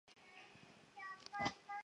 成员在此基础上组建政党宪友会。